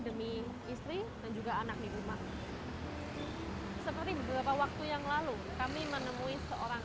demi istri dan juga anak di rumah seperti beberapa waktu yang lalu kami menemui seorang